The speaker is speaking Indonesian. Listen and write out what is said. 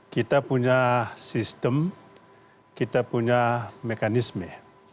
kita punya sistem kita punya mekanisme